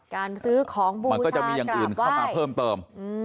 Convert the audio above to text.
การซื้อของบูชากลับไหว